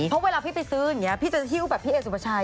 เพราะเวลาพี่ไปซื้ออย่างนี้พี่จะหิ้วแบบพี่เอสุปชัย